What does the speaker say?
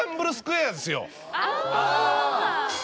あぁ。